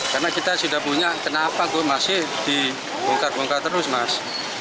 karena kita sudah punya kenapa gue masih dibongkar bongkar terus mas